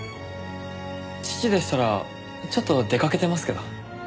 父でしたらちょっと出かけてますけど。